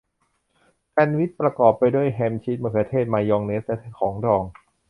แซนด์วิชประกอบไปด้วยแฮมชีสมะเขือเทศมายองเนสและของดอง